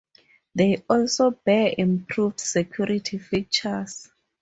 They also bear improved security features.